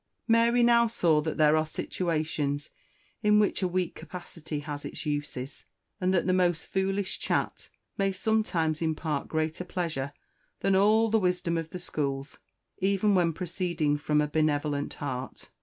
Mary now saw that there are situations in which a weak capacity has its uses, and that the most foolish chat may sometimes impart greater pleasure than all the wisdom of the schools, even when proceeding from a benevolent heart.